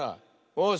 よし。